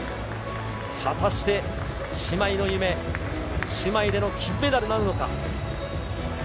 果たして、姉妹の夢姉妹での金メダルなるのか。